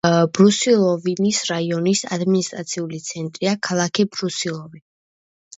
ბრუსილოვის რაიონის ადმინისტრაციული ცენტრია ქალაქი ბრუსილოვი.